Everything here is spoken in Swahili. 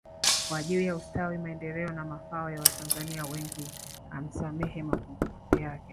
Kwa ajili ya ustawi maendeleo na mafao ya watanzania wengi amsamehe mapungufu yake